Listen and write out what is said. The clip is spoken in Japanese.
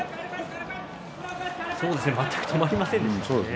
全く止まりませんでしたね。